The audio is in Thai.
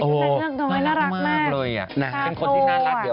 ใส่ชุดนั่งเนื้อของเธอไหมน่ารักมากเลย